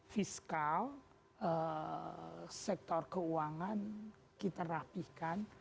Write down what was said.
fiskal sektor keuangan kita rapihkan